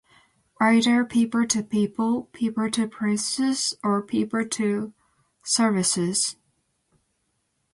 Either people-to-people, people-to-places, or people-to-services.